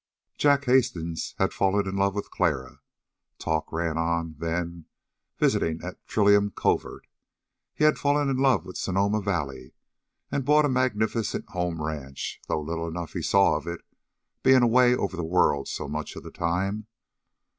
Jack Hastings had fallen in love with Clara, the talk ran on; then, visiting at Trillium Covert, he had fallen in love with Sonoma Valley and bought a magnificent home ranch, though little enough he saw of it, being away over the world so much of the time.